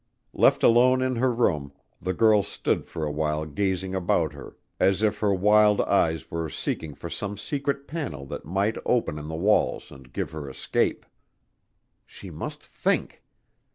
Left alone in her room, the girl stood for a while gazing about her as if her wild eyes were seeking for some secret panel that might open in the walls and give her escape. She must think!